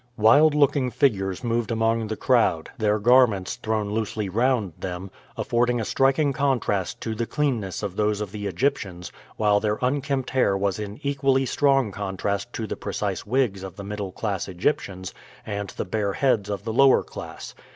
Wild looking figures moved among the crowd, their garments, thrown loosely round them, affording a striking contrast to the cleanness of those of the Egyptians, while their unkempt hair was in equally strong contrast to the precise wigs of the middle class Egyptians and the bare heads of the lower class.